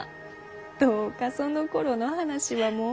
どうかそのころの話はもう。